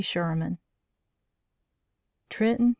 SHERMAN." "TRENTON, N.